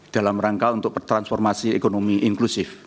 dalam rangka untuk transformasi ekonomi inklusif